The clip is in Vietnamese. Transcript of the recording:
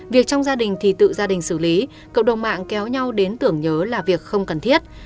việc trong gia đình thì tự gia đình xử lý cộng đồng mạng kéo nhau đến tưởng nhớ là việc không cần thiết